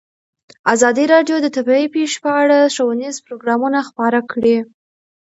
ازادي راډیو د طبیعي پېښې په اړه ښوونیز پروګرامونه خپاره کړي.